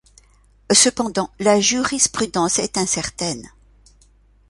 Cependant, la jurisprudence est incertaine.